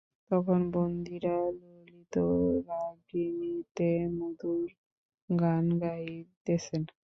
তখন বন্দীরা ললিত রাগিণীতে মধুর গান গাহিতেছে।